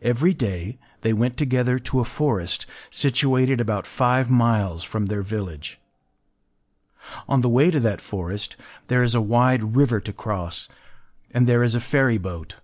Every day they went together to a forest situated about five miles from their village. On the way to that forest there is a wide river to cross; and there is a ferry boat.